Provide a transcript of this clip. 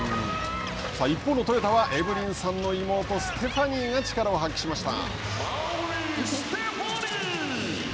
一方のトヨタはエブリンさんの妹、ステファニーが力を発揮しました。